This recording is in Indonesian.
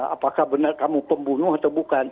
apakah benar kamu pembunuh atau bukan